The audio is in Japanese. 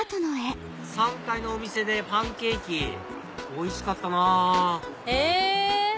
３階のお店でパンケーキおいしかったなぁへぇ！